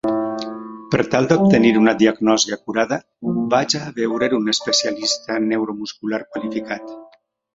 Per tal d'obtenir una diagnosi acurada, vagi a veure un especialista neuromuscular qualificat.